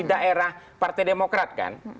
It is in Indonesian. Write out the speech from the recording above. daerah partai demokrat kan